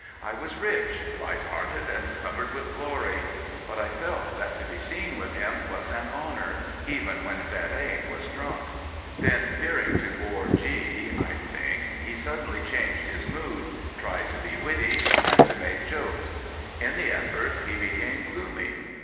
I was rich, light hearted, and covered with glory, but I felt that to be seen with him was an honour, even when Verlaine was drunk.' Then fearing to bore G , I think, he suddenly changed his mood, tried to be witty and to make jokes. In the effort he became gloomy.